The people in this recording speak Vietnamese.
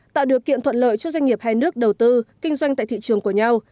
tạo điều kiện thuận lợi cho doanh nghiệp hai nước đầu tư kinh doanh tại thị trường của nhau